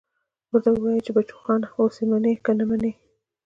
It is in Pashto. ورته ووايه چې بچوخانه اوس يې منې که نه منې.